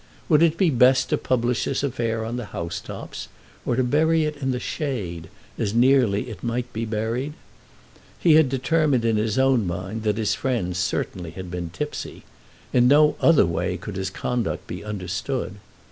Would it be best to publish this affair on the house tops, or to bury it in the shade, as nearly as it might be buried? He had determined in his own mind that his friend certainly had been tipsy. In no other way could his conduct be understood.